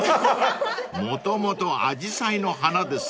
［もともとアジサイの花ですからね］